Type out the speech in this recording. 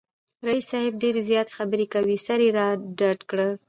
رییس صاحب ډېرې زیاتې خبری کوي، سر یې را ډډ کړ